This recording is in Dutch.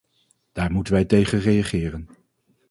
Daar moeten wij tegen reageren.